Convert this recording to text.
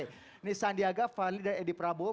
ini sandiaga fadli dan edi prabowo